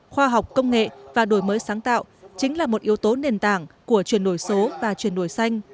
khoa học công nghệ và đổi mới sáng tạo chính là một yếu tố nền tảng của chuyển đổi số và chuyển đổi xanh